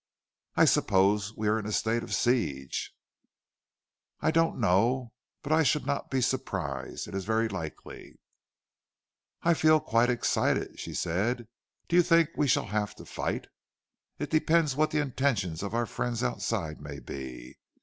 "I suppose we are in a state of siege?" "I don't know, but I should not be surprised. It is very likely." "I feel quite excited," she said. "Do you think we shall have to fight?" "It depends what the intentions of our friends outside may be.